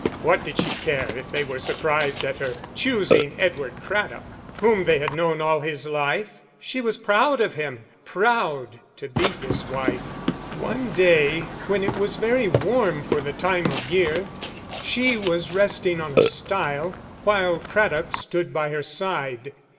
What did she care if they were surprised at her choosing Edward Craddock, whom they had known all his life? She was proud of him, proud to be his wife. One day, when it was very warm for the time of year, she was resting on a stile, while Craddock stood by her side.